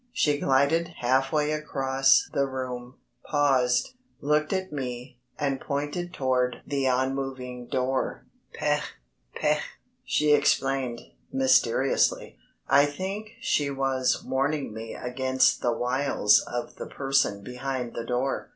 She glided half way across the room, paused, looked at me, and pointed toward the unmoving door. "Peeg, peeg," she explained, mysteriously. I think she was warning me against the wiles of the person behind the door.